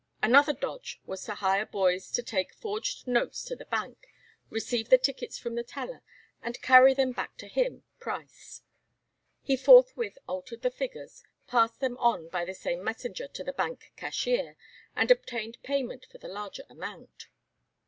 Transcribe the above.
Another dodge was to hire boys to take forged notes to the Bank, receive the tickets from the teller, and carry them back to him (Price). He forthwith altered the figures, passed them on by the same messenger to the Bank cashier, and obtained payment for the larger amount.